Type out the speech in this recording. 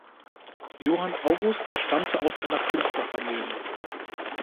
Johann August stammte aus einer Künstlerfamilie.